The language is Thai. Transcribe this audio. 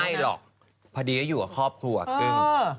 ไม่หรอกพอดีก็อยู่กับครอบครัวครึ่ง